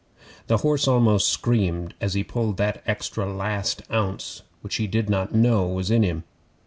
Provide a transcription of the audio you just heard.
The horse almost screamed as he pulled that extra last ounce which he did not know was in him.